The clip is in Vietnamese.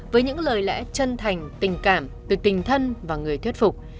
với những lời lẽ chân thành tình cảm từ tình thân và người thuyết phục